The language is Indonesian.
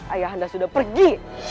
ayahanda sudah pergi